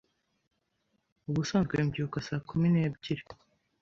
Ubusanzwe mbyuka saa kumi n'ebyiri.